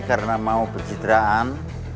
karena mau pencitraan